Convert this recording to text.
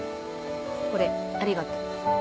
これありがと。